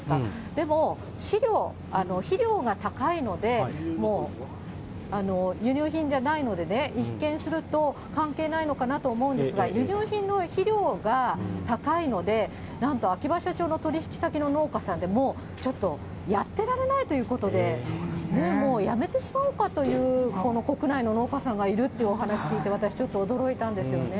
でも飼料、肥料が高いので、もう輸入品じゃないので、一見すると関係ないのかなと思うんですが、輸入品の肥料が高いので、なんと秋葉社長の取引先の農家さんでも、ちょっとやってられないということで、もうやめてしまおうかという国内の農家さんがいるってお話聞いて、私、ちょっと驚いたんですよね。